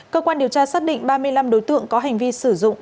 cơ quan điều tra xác định ba mươi năm đối tượng có hành vi sử dụng